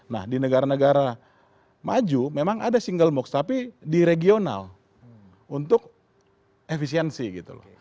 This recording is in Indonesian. nah di negara negara maju memang ada single mocks tapi di regional untuk efisiensi gitu loh